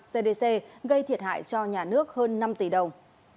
cdc gây thiệt hại cho nhà nước hơn năm tỷ đồng